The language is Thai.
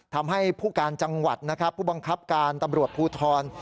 ทำให้ผู้การจังหวัดนะครับผู้บังคับการตำรวจภูทร